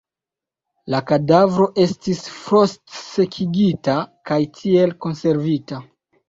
La kadavro estis frost-sekigita kaj tiel konservita.